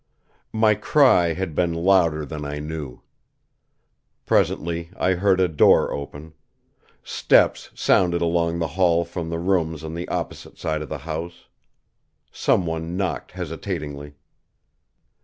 My cry had been louder than I knew. Presently I heard a door open. Steps sounded along the hall from the rooms on the opposite side of the house. Someone knocked hesitatingly.